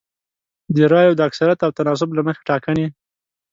د رایو د اکثریت او تناسب له مخې ټاکنې